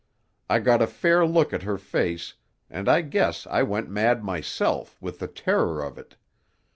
I got a fair look at her face, and I guess I went mad myself, with the terror of it.